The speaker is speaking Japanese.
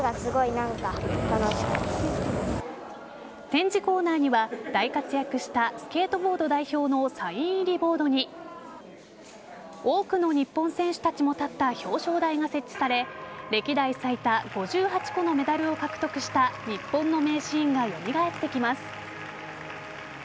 展示コーナーには大活躍したスケートボード代表のサイン入りボードに多くの日本選手たちも立った表彰台が設置され歴代最多５８個のメダルを獲得した日本の名シーンがよみがえってきます。